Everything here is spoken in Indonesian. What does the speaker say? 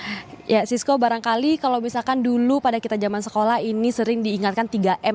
ya sisko barangkali kalau misalkan dulu pada kita zaman sekolah ini sering diingatkan tiga m